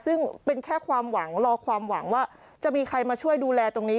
ซึ่งเป็นแค่ความหวังรอความหวังว่าจะมีใครมาช่วยดูแลตรงนี้